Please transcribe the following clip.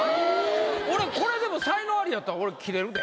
・俺これでも才能アリやったらキレるで。